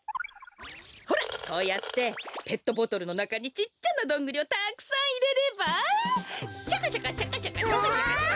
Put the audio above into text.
ほらこうやってペットボトルのなかにちっちゃなどんぐりをたくさんいれれば「シャカシャカシャカシャカ」うわ！